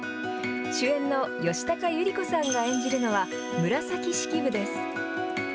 主演の吉高由里子さんが演じるのは紫式部です。